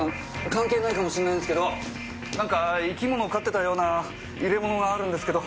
関係ないかもしれないんすけど何か生き物を飼ってたような入れ物があるんですけど。